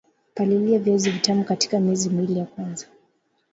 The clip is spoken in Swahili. palilia viazi vitamu katika miezi miwili ya kwanza